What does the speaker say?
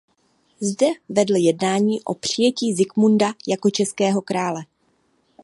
Zde vedl jednání o přijetí Zikmunda jako českého krále.